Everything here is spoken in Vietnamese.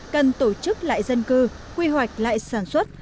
cần tổ chức lại dân cư quy hoạch lại sản xuất